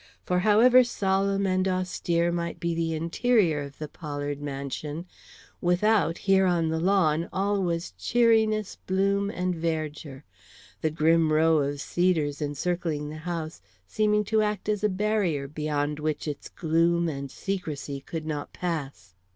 For however solemn and austere might be the interior of the Pollard mansion, without here on the lawn all was cheeriness, bloom, and verdure; the grim row of cedars encircling the house seeming to act as a barrier beyond which its gloom and secrecy could not pass.